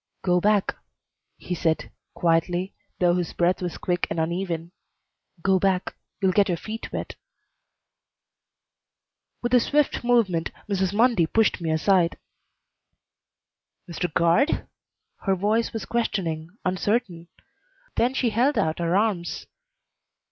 "Go back," he said, quietly, though his breath was quick and uneven. "Go back. You'll get your feet wet." With a swift movement Mrs. Mundy pushed me aside. "Mr. Guard?" Her voice was questioning, uncertain; then she held out her arms.